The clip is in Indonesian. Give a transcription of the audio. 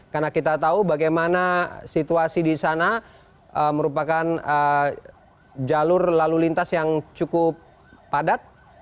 karena kita tahu bagaimana situasi di sana merupakan jalur lalu lintas yang cukup padat